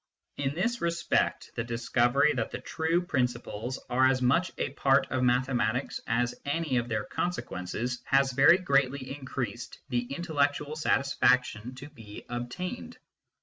In this respect, the discovery that the true principles are as much a part of mathe matics as any of their consequences has very greatly increased the intellectual satisfaction to be obtained.